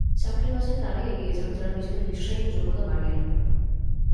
চাকরির বাজারে তাঁরাই এগিয়ে যান, যাঁরা নিজেদের বিশেষায়িত যোগ্যতা বাড়িয়ে নেন।